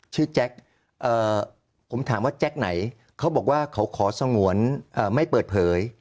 แจ็คผมถามว่าแจ็คไหนเขาบอกว่าเขาขอสงวนไม่เปิดเผย